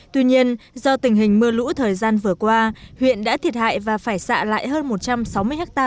tuy nhiên do tình hình mưa lũ thời gian vừa qua huyện đã thiệt hại và phải xạ lại hơn một trăm sáu mươi ha